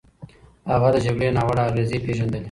هغه د جګړې ناوړه اغېزې پېژندلې.